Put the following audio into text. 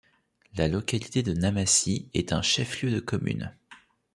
La localité de Namassi est un chef-lieu de commune.